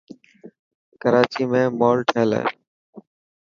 ڪراچي مين مول ٺهيل هي.